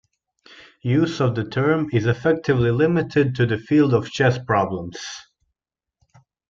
Use of the term is effectively limited to the field of chess problems.